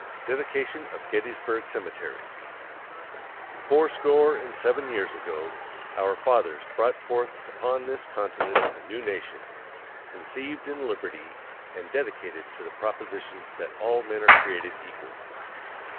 DEDICATION OF GETTYSBURG CEMETERY Fourscore and seven years ago, our fathers brought forth upon this continent a new nation, conceived in liberty and dedicated to the proposition that all men are created equal.